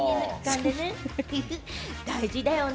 大事だよね。